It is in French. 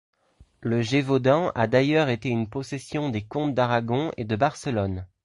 Le Gévaudan a d'ailleurs été une possession des comtes d'Aragon et de Barcelone.